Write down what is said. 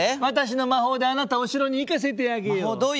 「私の魔法であなたをお城に行かせてあげよう」。